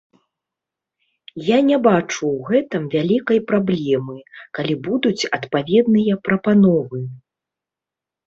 Я не бачу ў гэтым вялікай праблемы, калі будуць адпаведныя прапановы.